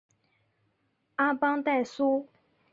阿邦代苏。